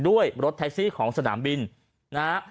รถแท็กซี่ของสนามบินนะฮะ